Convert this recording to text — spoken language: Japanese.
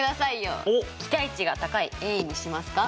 期待値が高いＡにしますか？